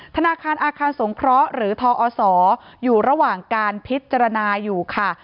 ธนาคารอาคารสงเคราะห์หรือทอศอยู่ระหว่างการพิจารณาอยู่ค่ะ